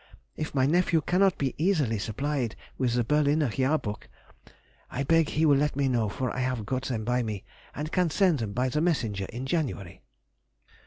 If my nephew cannot be easily supplied with the Berliner Jahrbuch, I beg he will let me know, for I have got them by me, and can send them by the messenger in January.